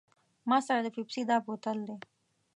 ما سره د پیپسي دا بوتل دی.